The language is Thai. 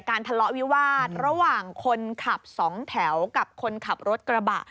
ทะเลาะวิวาสระหว่างคนขับสองแถวกับคนขับรถกระบะ